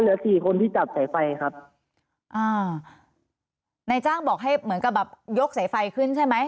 สี่คนที่จับสายไฟครับอ่านายจ้างบอกให้เหมือนกับแบบยกสายไฟขึ้นใช่ไหม